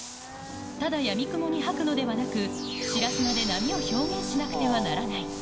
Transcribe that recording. ただやみくもにはくのではなく、白砂で波を表現しなくてはならない。